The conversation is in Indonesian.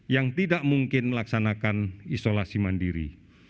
yang tidak mungkin melaksanakan isolasi mandiri